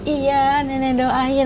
iya nenek doain